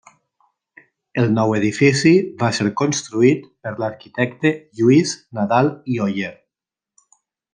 El nou edifici va ser construït per l'arquitecte Lluís Nadal i Oller.